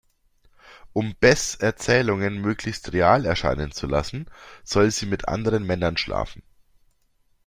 Um Bess’ Erzählungen möglichst real erscheinen zu lassen, soll sie mit anderen Männern schlafen.